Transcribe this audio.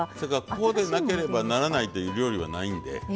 こうでなければならないという料理はないんで。